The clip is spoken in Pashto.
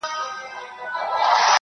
ته خپل قاتل ته ګرېوان څنګه څیرې؟-